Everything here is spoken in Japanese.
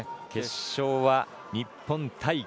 決勝は日本対